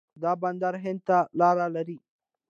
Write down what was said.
دا بندر هند ته لاره لري.